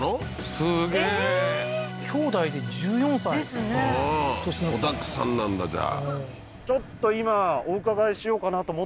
すげえ兄弟で１４歳ですね年の差子だくさんなんだじゃあ